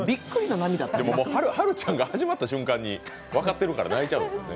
はるちゃんが始まった瞬間に分かってるから泣いちゃうのね。